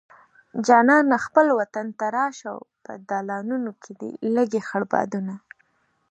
جانانه خپل وطن ته راشه په دالانونو کې دې لګي خړ بادونه